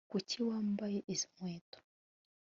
kuki wambaye izo nkweto